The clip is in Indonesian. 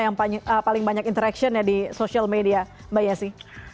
yang paling banyak interaction ya di social media mbak yesi